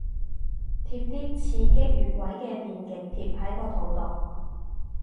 貼啲刺激穴位嘅電極貼喺個肚度